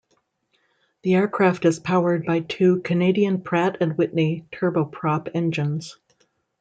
The aircraft is powered by two Canadian Pratt and Whitney turbo-prop engines.